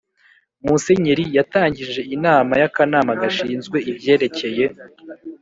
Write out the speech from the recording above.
musenyeri yatangije inama y’akanama gashinzwe ibyerekeye